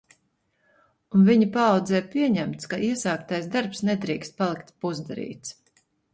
Un viņa paaudzē pieņemts, ka iesāktais darbs nedrīkst palikt pusdarīts.